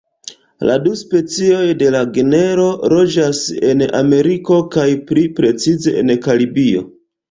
La du specioj de la genro loĝas en Ameriko kaj pli precize en Karibio.